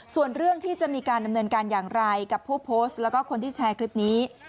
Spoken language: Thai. ส่วนเรื่องที่จะมีการดำเนินการอย่างไรกับผู้โพสต์แล้วก็คนที่แชร์คลิปนี้